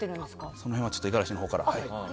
その辺は、五十嵐のほうから。